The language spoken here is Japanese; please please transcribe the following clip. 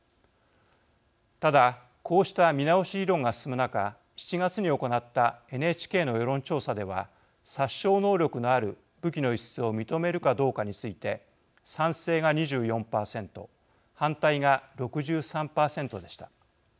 ただ、こうした見直し議論が進む中７月に行ったＮＨＫの世論調査では殺傷能力のある武器の輸出を認めるかどうかについて賛成が２４％反対が６３％でした。